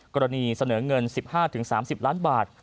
กรณีเสนอเงิน๑๕๓๐ล้านบาท